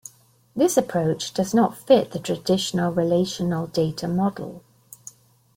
This approach does not fit the traditional Relational Data Model.